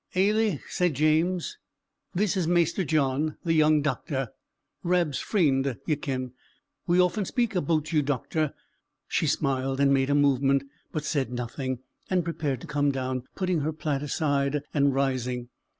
"Ailie," said James, "this is Maister John, the young doctor; Rab's freend, ye ken. We often speak aboot you, doctor." She smiled, and made a movement, but said nothing; and prepared to come down, putting her plaid aside and rising.